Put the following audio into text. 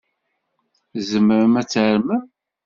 Tzemrem ad tarmem?